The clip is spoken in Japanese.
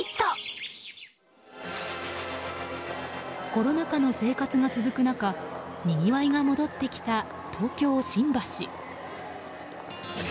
コロナ禍の生活が続く中にぎわいが戻ってきた東京・新橋。